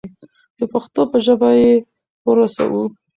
د پښتو په ژبه یې ورسوو.